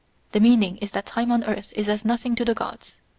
The meaning is that time on earth is as nothing to the Gods.